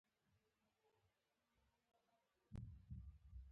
خلکه ګودرګوري ګډيږی زه بې ګودره ګډيدمه لا هو شومه